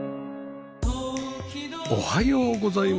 おはようございます。